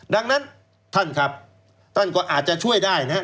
ดังนั้นท่านครับท่านก็อาจจะช่วยได้นะครับ